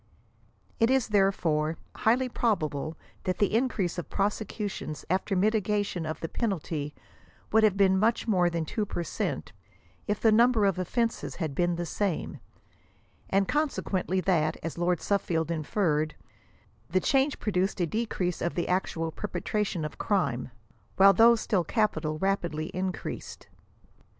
It is there fore highly probable that the increase of prosecutions after mi tigation of the penalty would have been much more than two percent, if the number of offenses had been the same; and con sequently that, as Lord Suffield inferred, the change produced « a decrease of the actual perpetration of crime," while those still capital rapidly increased.